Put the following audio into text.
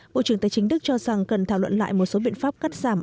bộ trưởng tài chính đức cho rằng cần thảo luận lại một số biện pháp cắt giảm